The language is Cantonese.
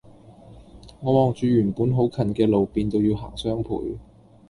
我望住原本好近嘅路變到要行雙倍